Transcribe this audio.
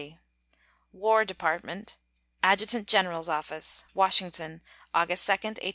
WAR DEPARTMENT, ADJUTANT GENERAL'S OFFICE, Washington, August 2, 1875.